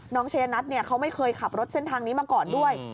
เชยนัทเขาไม่เคยขับรถเส้นทางนี้มาก่อนด้วย